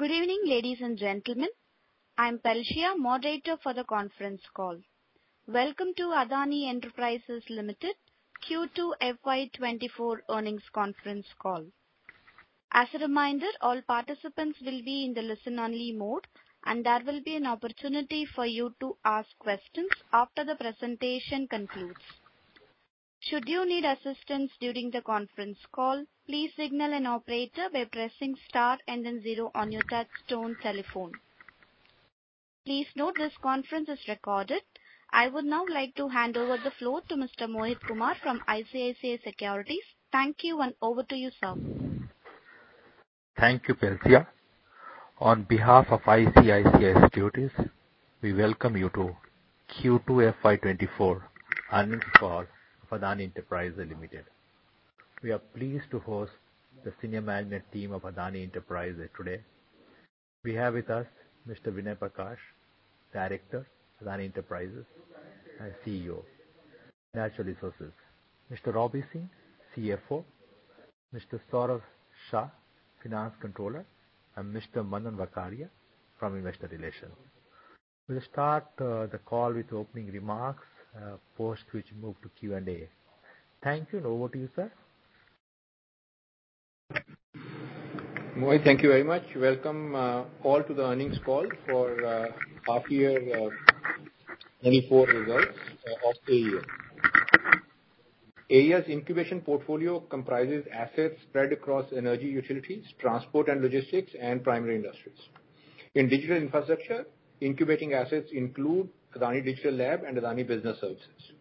Good evening, ladies and gentlemen. I'm Pelsia, moderator for the conference call. Welcome to Adani Enterprises Limited, Q2 FY24 Earnings Conference Call. As a reminder, all participants will be in the listen-only mode, and there will be an opportunity for you to ask questions after the presentation concludes. Should you need assistance during the conference call, please signal an operator by pressing Star and then zero on your touchtone telephone. Please note, this conference is recorded. I would now like to hand over the floor to Mr. Mohit Kumar from ICICI Securities. Thank you, and over to you, sir. Thank you, Pelsia. On behalf of ICICI Securities, we welcome you to Q2 FY24 earnings call for Adani Enterprises Limited. We are pleased to host the senior management team of Adani Enterprises today. We have with us Mr. Vinay Prakash, Director, Adani Enterprises and CEO, Natural Resources, Mr. Robbie Singh, CFO, Mr. Saurabh Shah, Finance Controller, and Mr. Manan Vakharia from Investor Relations. We'll start the call with opening remarks, post which move to Q&A. Thank you, and over to you, sir. Mohit, thank you very much. Welcome, all to the earnings call for half year 2024 results of AEL. AEL's incubation portfolio comprises assets spread across energy utilities, transport and logistics, and primary industries. In digital infrastructure, incubating assets include Adani Digital Labs and Adani Business Services.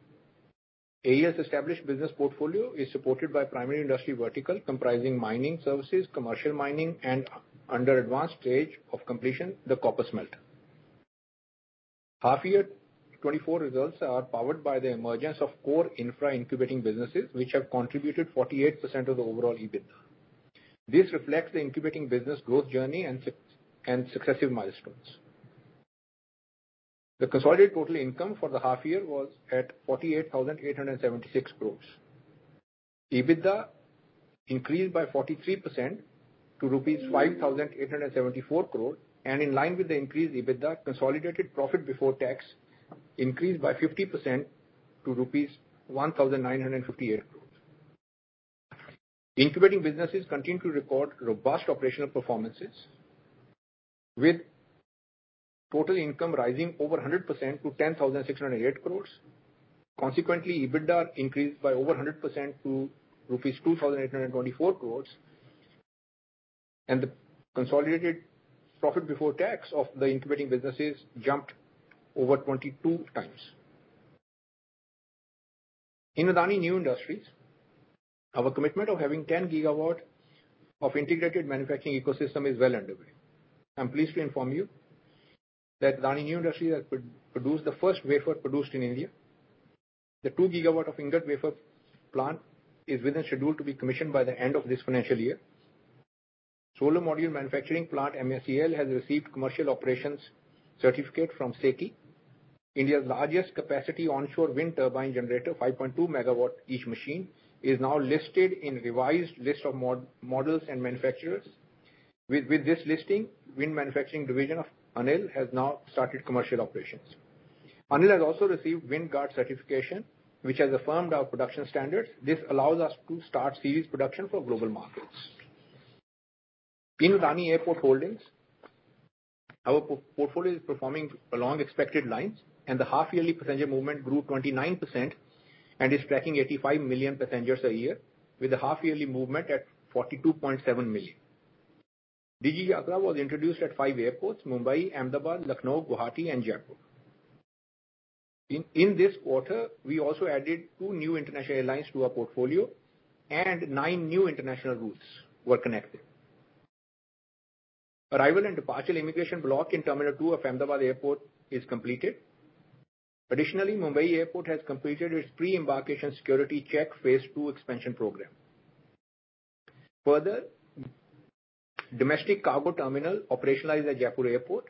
AEL's established business portfolio is supported by primary industry vertical, comprising mining services, commercial mining, and under advanced stage of completion, the copper smelt. Half year 2024 results are powered by the emergence of core infra incubating businesses, which have contributed 48% of the overall EBITDA. This reflects the incubating business growth journey and successive milestones. The consolidated total income for the half year was at 48,876 crore. EBITDA increased by 43% to rupees 5,874 crore, and in line with the increased EBITDA, consolidated profit before tax increased by 50% to INR 1,958 crore. Incubating businesses continue to record robust operational performances, with total income rising over 100% to 10,608 crore. Consequently, EBITDA increased by over 100% to rupees 2,824 crore, and the consolidated profit before tax of the incubating businesses jumped over 22 times. In Adani New Industries, our commitment of having 10GW of integrated manufacturing ecosystem is well underway. I'm pleased to inform you that Adani New Industries has produced the first wafer produced in India. The 2GW of ingot wafer plant is within schedule to be commissioned by the end of this financial year. Solar module manufacturing plant, MSEL, has received commercial operations certificate from SECI. India's largest capacity onshore wind turbine generator, 5.2MW each machine, is now listed in revised list of models and manufacturers. With this listing, wind manufacturing division of ANIL has now started commercial operations. ANIL has also received WindGuard certification, which has affirmed our production standards. This allows us to start series production for global markets. In Adani Airport Holdings, our portfolio is performing along expected lines, and the half-yearly passenger movement grew 29% and is tracking 85 million passengers a year, with the half-yearly movement at 42.7 million. DigiYatra was introduced at five airports: Mumbai, Ahmedabad, Lucknow, Guwahati, and Jaipur. In this quarter, we also added two new international airlines to our portfolio, and nine new international routes were connected. Arrival and departure immigration block in Terminal 2 of Ahmedabad Airport is completed. Additionally, Mumbai Airport has completed its pre-embarkation security check, phase two expansion program. Further, domestic cargo terminal operationalized at Jaipur Airport.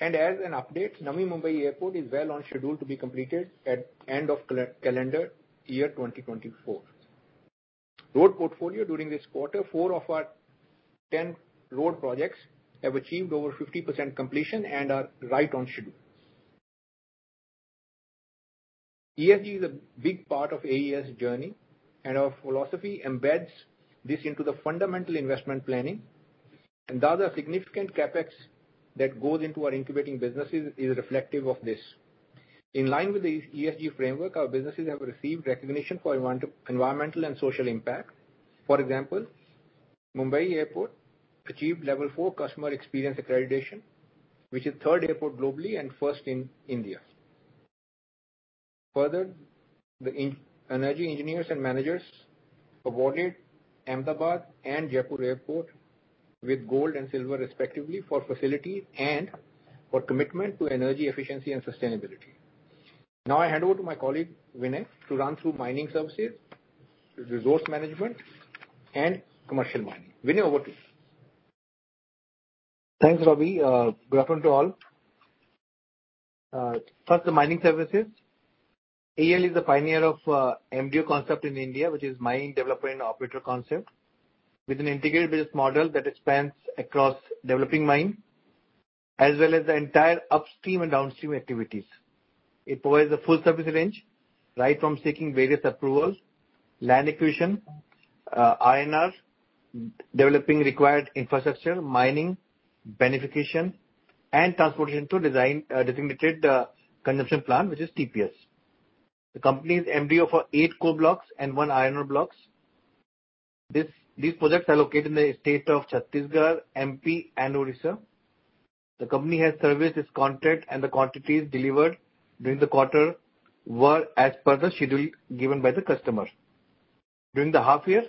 And as an update, Navi Mumbai Airport is well on schedule to be completed at end of calendar year 2024. Road portfolio, during this quarter, 4 of our 10 road projects have achieved over 50% completion and are right on schedule. ESG is a big part of AELS journey, and our philosophy embeds this into the fundamental investment planning. The other significant CapEx that goes into our incubating businesses is reflective of this. In line with the ESG framework, our businesses have received recognition for environmental and social impact. For example, Mumbai Airport achieved level four customer experience accreditation, which is third airport globally and first in India. Further, the energy engineers and managers awarded Ahmedabad and Jaipur airports with gold and silver, respectively, for facility and for commitment to energy efficiency and sustainability. Now, I hand over to my colleague, Vinay, to run through mining services, resource management, and commercial mining. Vinay, over to you. Thanks, Robbie. Good afternoon to all. First, the mining services. AELL is the pioneer of the MDO concept in India, which is Mining Development Operator concept, with an integrated business model that expands across developing mine, as well as the entire upstream and downstream activities. It provides a full service range, right from seeking various approvals, land acquisition, developing required infrastructure, mining, beneficiation, and transportation to the designated consumption plant, which is TPS. The company's MDO for eight coal blocks and one iron blocks. These projects are located in the state of Chhattisgarh, MP, and Odisha. The company has serviced its contract, and the quantities delivered during the quarter were as per the schedule given by the customer. During the half year,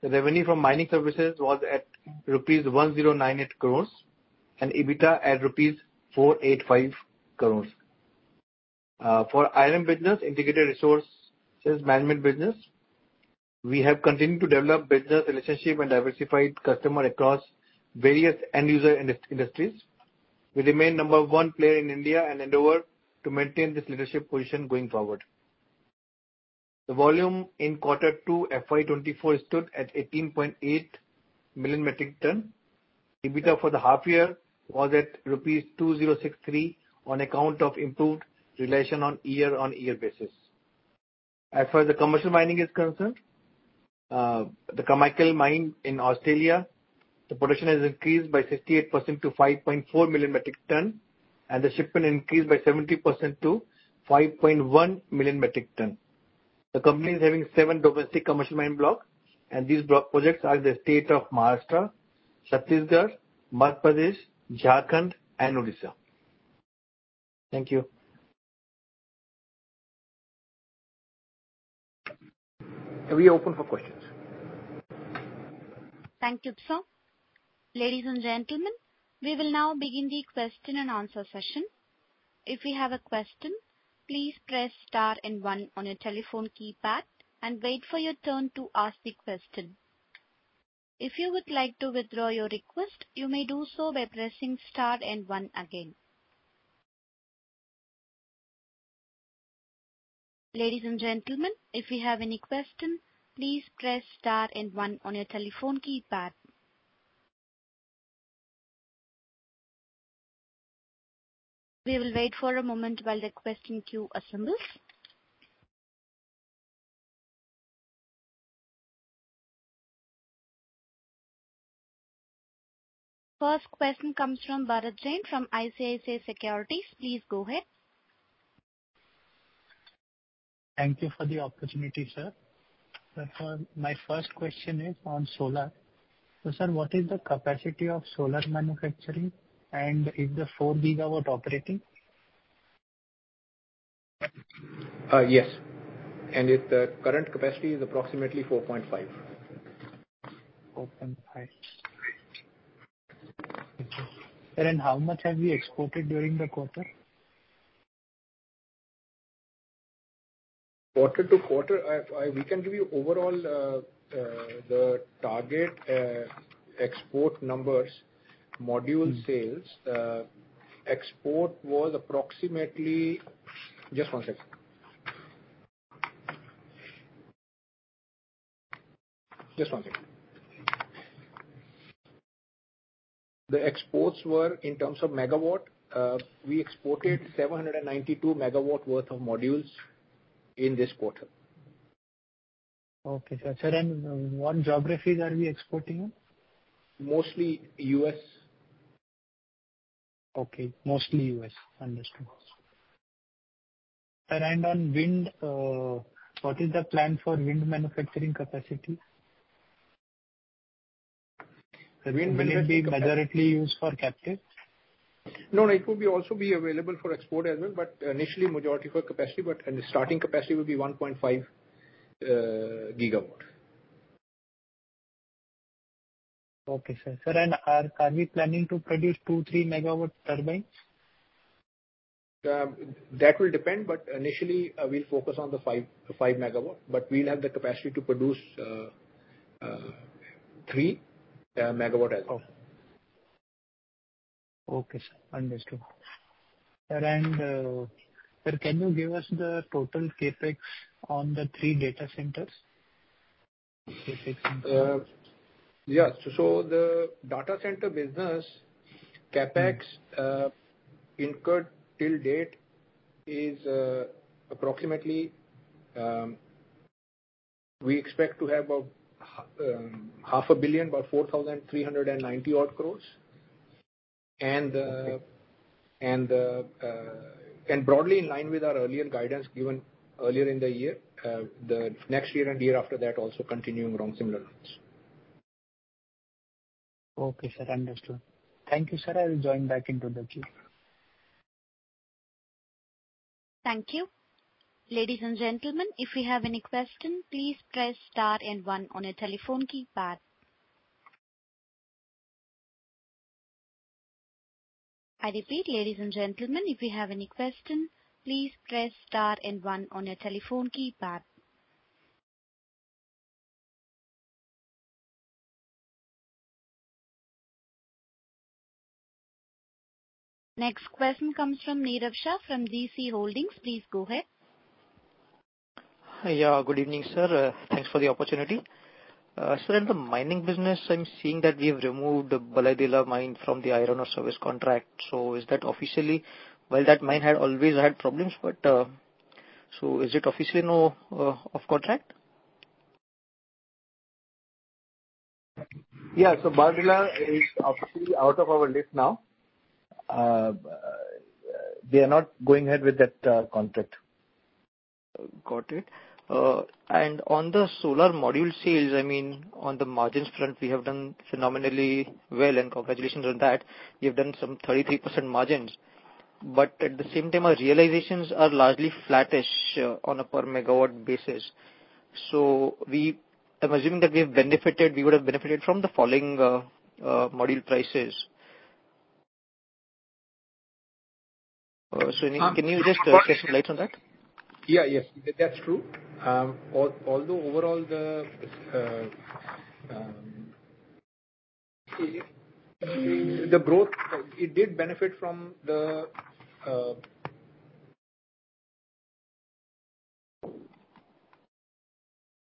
the revenue from mining services was at rupees 1,098 crore and EBITDA at rupees 485 crore. For IRM business, Integrated Resources Management business, we have continued to develop business relationship and diversified customer across various end user industries. We remain number one player in India and endeavor to maintain this leadership position going forward. The volume in quarter two, FY 2024, stood at 18.8 million metric tons. EBITDA for the half year was at rupees 2,063 crore on account of improved relation on year-on-year basis. As far as the commercial mining is concerned, the Carmichael mine in Australia, the production has increased by 68% to 5.4 million metric tons, and the shipment increased by 70% to 5.1 million metric tons. The company is having seven domestic commercial mine blocks, and these block projects are in the state of Maharashtra, Chhattisgarh, Madhya Pradesh, Jharkhand, and Odisha. Thank you. We are open for questions. Thank you, sir. Ladies and gentlemen, we will now begin the question and answer session. If you have a question, please press star and one on your telephone keypad and wait for your turn to ask the question. If you would like to withdraw your request, you may do so by pressing star and one again. Ladies and gentlemen, if you have any question, please press star and one on your telephone keypad. We will wait for a moment while the question queue assembles. First question comes from Bharat Jain from ICICI Securities. Please go ahead. Thank you for the opportunity, sir. For my first question is on solar. Sir, what is the capacity of solar manufacturing, and is the 4GW operating? Yes, the current capacity is approximately 4.5. 4.5. Thank you. Sir, and how much have you exported during the quarter? Quarter to quarter, we can give you overall the target export numbers, module sales. Export was approximately. Just one second. Just one second. The exports were in terms of megawatt. We exported 792MW worth of modules in this quarter. Okay, sir. Sir, and what geographies are we exporting in? Mostly US. Okay, mostly U.S. Understood. Sir, and on wind, what is the plan for wind manufacturing capacity? Wind manufacturing capacity- Will it be majorly used for captive? No, no, it will also be available for export as well, but initially, majority for capacity, but, and the starting capacity will be 1.5GW. Okay, sir. Sir, and are we planning to produce 2 to 3MW turbines? That will depend, but initially, we'll focus on the 5.5MW, but we'll have the capacity to produce 3MW as well. Okay. Okay, sir. Understood. Sir, and, sir, can you give us the total CapEx on the three data centers? CapEx. The data center business CapEx incurred till date is approximately we expect to have about $500 million, about INR 4,390-odd crore. Broadly in line with our earlier guidance given earlier in the year, the next year and the year after that, also continuing around similar lines. Okay, sir. Understood. Thank you, sir. I will join back into the queue. Thank you. Ladies and gentlemen, if you have any question, please press star and one on your telephone keypad. I repeat, ladies and gentlemen, if you have any question, please press star and one on your telephone keypad... Next question comes from Nirav Shah, from DC Holdings. Please go ahead. Hi. Good evening, sir. Thanks for the opportunity. Sir, in the mining business, I'm seeing that we have removed the Bailadila mine from the iron ore service contract. Is that officially? While that mine had always had problems, but, so is it officially now, off contract? Bailadila is officially out of our list now. We are not going ahead with that contract. Got it. On the solar module sales, I mean, on the margins front, we have done phenomenally well, and congratulations on that. You've done some 33% margins, but at the same time, our realizations are largely flattish on a per megawatt basis. I'm assuming that we have benefited, we would have benefited from the falling module prices. So can you just shed some light on that? That's true. Although overall, the growth it did benefit from the.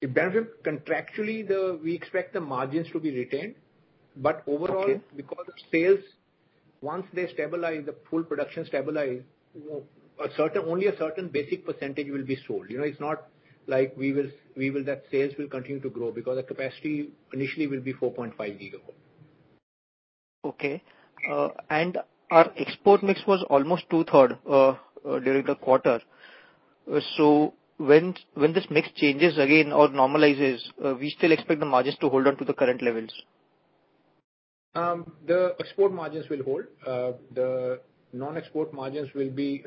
It benefit contractually, we expect the margins to be retained. Okay. But overall, because of sales, once they stabilize, the full production stabilize, a certain, only a certain basic percentage will be sold. You know, it's not like we will, we will, that sales will continue to grow because the capacity initially will be 4.5 gigawatt. Okay. Our export mix was almost two-thirds during the quarter. So when this mix changes again or normalizes, we still expect the margins to hold on to the current levels? The export margins will hold. The non-export margins will be,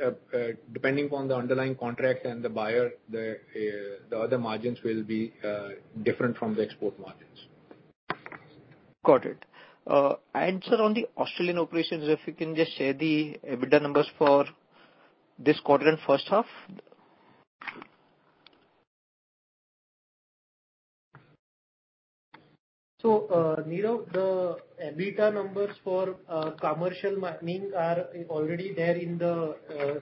depending on the underlying contract and the buyer, the other margins will be different from the export margins. Got it. Sir, on the Australian operations, if you can just share the EBITDA numbers for this quarter and first half? Nirab, the EBITDA numbers for commercial mining are already there in the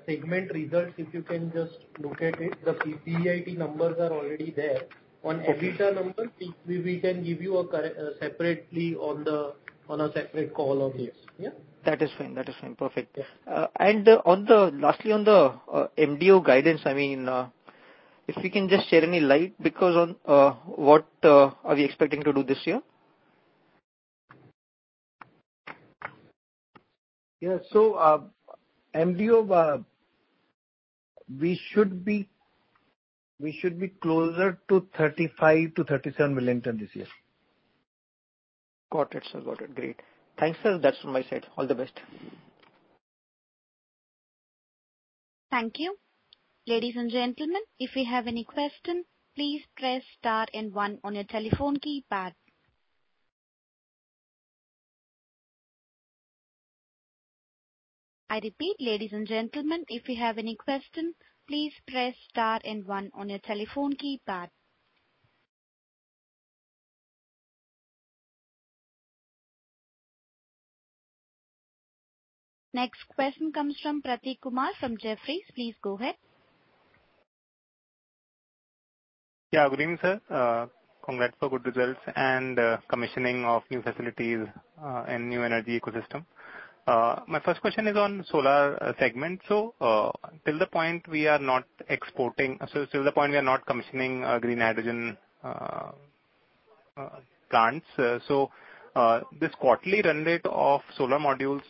segment results. If you can just look at it, the PBIT numbers are already there. Okay. On EBITDA numbers, we can give you a correction separately on a separate call on this. Yeah? That is fine. That is fine. Perfect. Lastly, on the MDO guidance, I mean, if we can just shed any light, because on what are we expecting to do this year? MDO, we should be, we should be closer to 35 to 37 million tons this year. Got it, sir. Got it. Great. Thanks, sir. That's from my side. All the best. Thank you. Ladies and gentlemen, if you have any question, please press star and one on your telephone keypad. I repeat, ladies and gentlemen, if you have any question, please press star and one on your telephone keypad. Next question comes from Prateek Kumar, from Jefferies. Please go ahead. Good evening, sir. Congrats for good results and commissioning of new facilities and new energy ecosystem. My first question is on solar segment. Till the point we are not exporting, so till the point we are not commissioning green hydrogen plants. This quarterly run rate of solar modules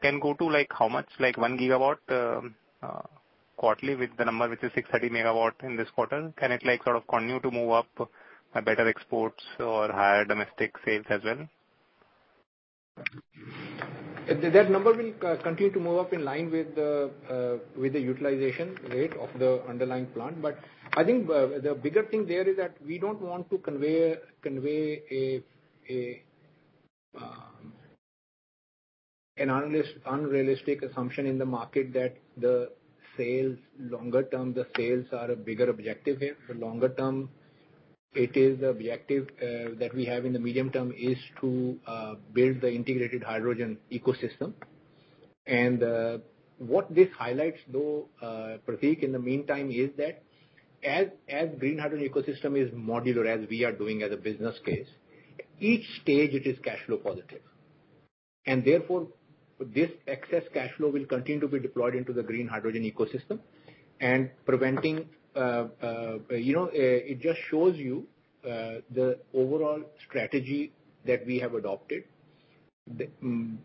can go to, like, how much? Like 1GW quarterly with the number, which is 600MW in this quarter. Can it, like, sort of continue to move up, better exports or higher domestic sales as well? That number will continue to move up in line with the utilization rate of the underlying plant. But I think the bigger thing there is that we don't want to convey a unrealistic assumption in the market, that the sales, longer term, the sales are a bigger objective here. For longer term, it is the objective that we have in the medium term is to build the integrated hydrogen ecosystem. And what this highlights, though, Pratik, in the meantime, is that as green hydrogen ecosystem is modular, as we are doing as a business case, each stage it is cash flow positive. Therefore, this excess cash flow will continue to be deployed into the green hydrogen ecosystem and preventing, you know, it just shows you the overall strategy that we have adopted, the,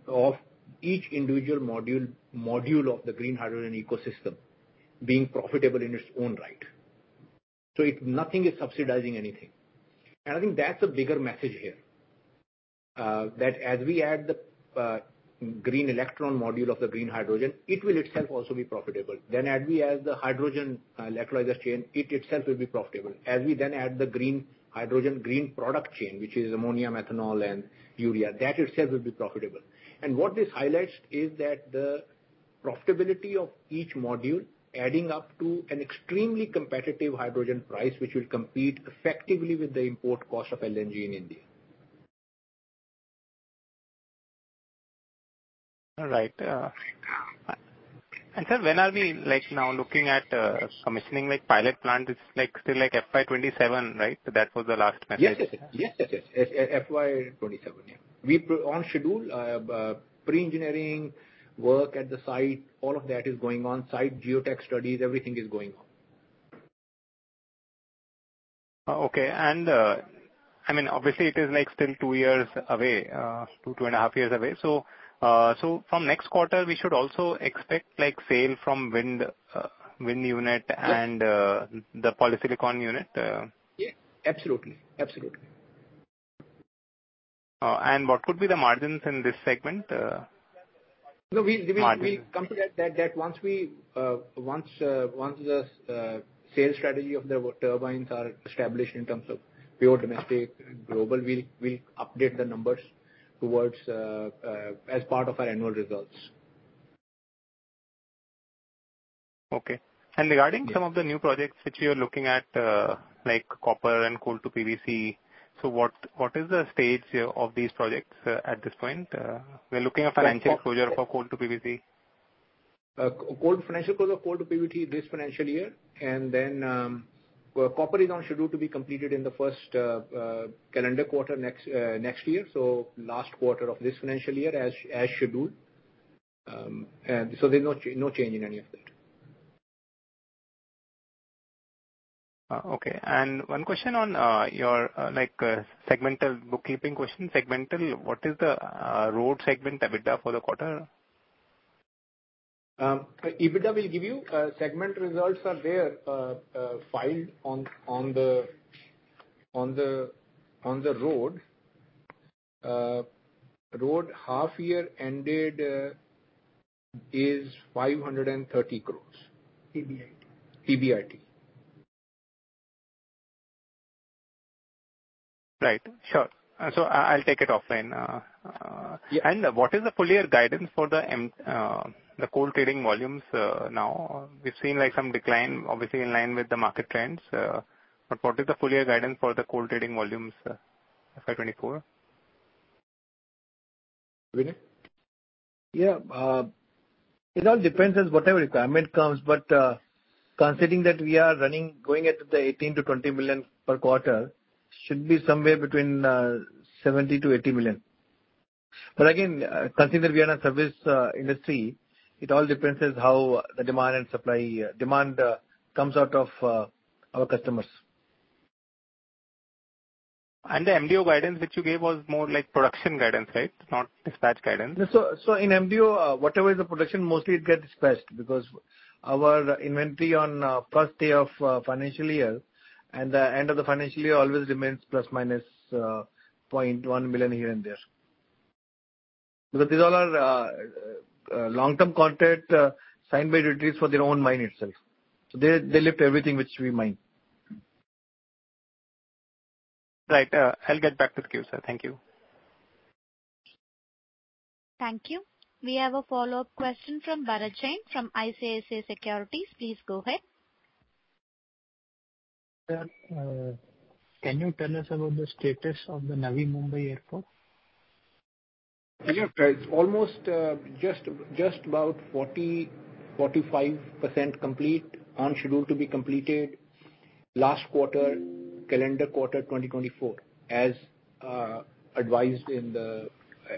of each individual module, module of the green hydrogen ecosystem being profitable in its own right. Nothing is subsidizing anything. I think that's a bigger message here, that as we add the green electron module of the green hydrogen, it will itself also be profitable. As we add the hydrogen electrolyzer chain, it itself will be profitable. As we then add the green hydrogen, green product chain, which is ammonia, methanol and urea, that itself will be profitable. What this highlights is that the-... Profitability of each module, adding up to an extremely competitive hydrogen price, which will compete effectively with the import cost of LNG in India. All right. And sir, when are we, like, now looking at commissioning, like, pilot plant? It's, like, still, like, FY 2027, right? That was the last message. FY 2027. We're on schedule. Pre-engineering work at the site, all of that is going on. Site geotech studies, everything is going on. It is, like, still 2 to 2.5 years away. From next quarter, we should also expect, like, sale from wind, wind unit and, the polysilicon unit? Yeah, absolutely. Absolutely. What would be the margins in this segment, margin? No, we come to that once the sales strategy of the turbines are established in terms of pure domestic and global, we'll update the numbers towards as part of our annual results. Okay. Yes. Regarding some of the new projects which you're looking at, like copper and coal to PVC, so what, what is the stage of these projects, at this point? We're looking at financial closure for coal to PVC. Coal, financial close of coal to PVC this financial year, and then copper is on schedule to be completed in the first calendar quarter next year. Last quarter of this financial year, as scheduled. And so there's no change in any of that. Okay. And one question on, your, like, segmental bookkeeping question. What is the road segment EBITDA for the quarter? EBITDA will give you segment results are there filed on Adani Roads. Adani Roads half year ended is INR 530 crore. PBIT. PBIT. Right. Sure. I, I'll take it offline. What is the full year guidance for the coal trading volumes now? We've seen, like, some decline, obviously, in line with the market trends, but what is the full year guidance for the coal trading volumes, FY 2024? Viney? Yeah, it all depends on whatever requirement comes, but considering that we are running, going into the 18 to 20 million per quarter, should be somewhere between 70 to 80 million. But again, considering we are a service industry, it all depends on how the demand and supply, demand, comes out of our customers. And the MDO guidance which you gave was more like production guidance, right? Not dispatch guidance. In MDO, whatever is the production, mostly it gets dispatched, because our inventory on first day of financial year and the end of the financial year always remains ±0.1 million here and there. Because these all are long-term contract signed by retailers for their own mine itself. So they lift everything which we mine. Right. I'll get back to you, sir. Thank you. Thank you. We have a follow-up question from Bharat Jain, from ICICI Securities. Please go ahead. Sir, can you tell us about the status of the Navi Mumbai airport? Yeah, it's almost just about 40% to 45% complete, on schedule to be completed last quarter, calendar quarter 2024, as advised in the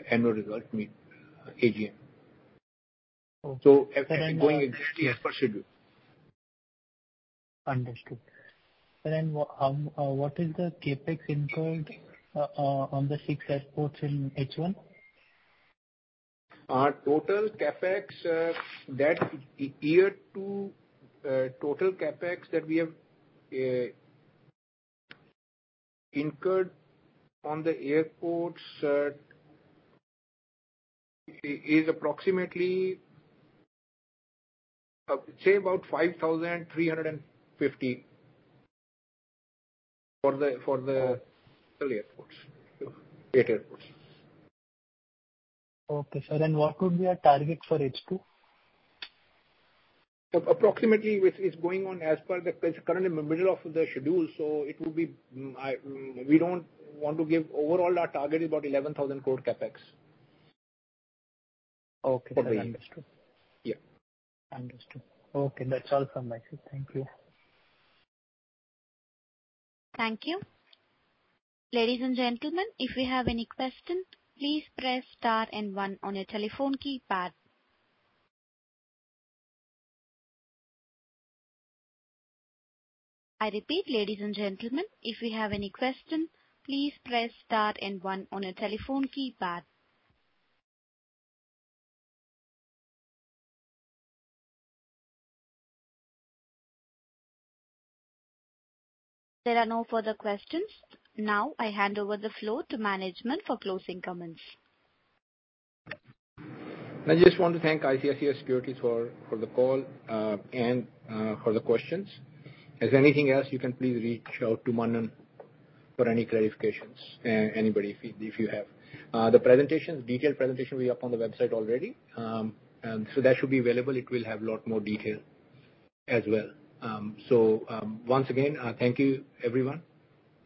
annual result, I mean, AGM. Okay. Going exactly as per schedule. Understood. What is the CapEx incurred on the six airports in H1? Our total CapEx that year two total CapEx that we have incurred on the airports is approximately, say, about 5,350 for the three airports, eight airports. Okay, sir, and what would be our target for H2? It's currently in the middle of the schedule, so it will be, we don't want to give. Overall, our target is about 11,000 crore CapEx. Okay, sir. Understood. Understood. Okay, that's all from my side. Thank you. Thank you. Ladies and gentlemen, if you have any question, please press star and one on your telephone keypad. I repeat, ladies and gentlemen, if you have any question, please press star and one on your telephone keypad. There are no further questions. Now, I hand over the floor to management for closing comments. I just want to thank ICICI Securities for the call and for the questions. If anything else, you can please reach out to Manan for any clarifications, anybody, if you have. The presentation, detailed presentation will be up on the website already. That should be available. It will have a lot more detail as well. So, once again, thank you everyone.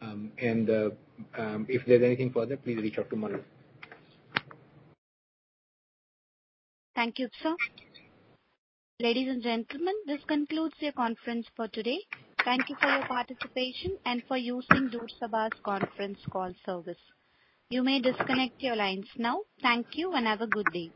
If there's anything further, please reach out to Manan. Thank you, sir. Ladies and gentlemen, this concludes your conference for today. Thank you for your participation and for using ICICI Securities Conference Call Service. You may disconnect your lines now. Thank you, and have a good day.